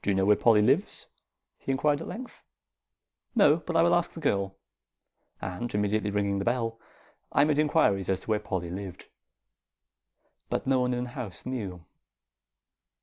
"Do you know where Polly lives?" he inquired at length. "No; but I will ask the girl." And immediately ringing the bell, I made inquiries as to where Polly lived; but no one in the house knew.